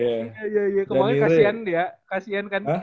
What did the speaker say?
iya kemarin kasian dia kasian kan